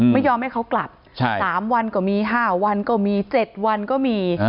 ไม่ยอมให้เขากลับ๓วันก็มี๕วันก็มี๗วันก็มี